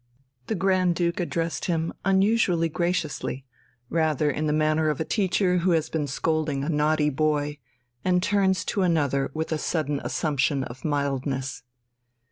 The Grand Duke addressed him unusually graciously, rather in the manner of a teacher who has been scolding a naughty boy, and turns to another with a sudden assumption of mildness.